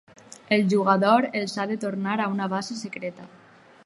El jugador els ha de tornar a una base secreta.